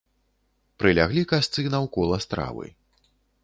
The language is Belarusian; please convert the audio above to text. Прыляглі касцы наўкола стравы.